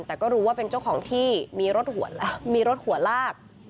แต่ก็รู้ว่าเป็นเจ้าของที่มีรถหัวแล้วมีรถหัวลาก